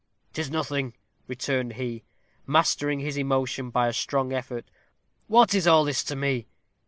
"'Tis nothing," returned he, mastering his emotion by a strong effort. "What is all this to me?